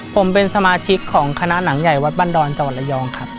ผมเป็นสมาชิกของคณะหนังใหญ่วัดบันดรจังหวัดระยองครับ